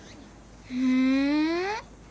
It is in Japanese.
ふん。